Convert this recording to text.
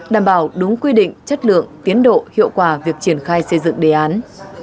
đảm bảo đúng quy định chất lượng tiến độ hiệu quả việc triển khai xây dựng đề án